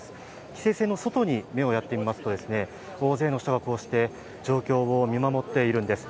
規制線の外に目をやってみますと大勢の人がこうして状況を見守っているんです。